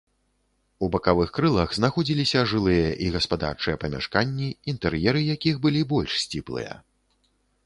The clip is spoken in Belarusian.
У бакавых крылах знаходзіліся жылыя і гаспадарчыя памяшканні, інтэр'еры якіх былі больш сціплыя.